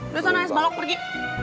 udah sana es balok pergi